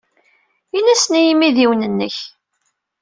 Ini-asen i yimidiwen-nnek.